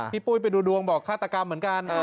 ปุ้ยไปดูดวงบอกฆาตกรรมเหมือนกัน